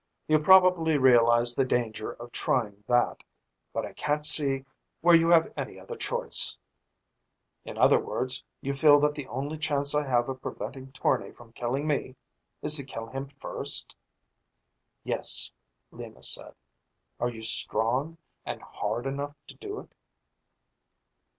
You probably realize the danger of trying that. But I can't see where you have any other choice." "In other words, you feel that the only chance I have of preventing Tournay from killing me is to kill him first?" "Yes," Lima said. "Are you strong and hard enough to do it?"